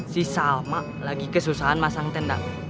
si salma lagi kesusahan masang tenda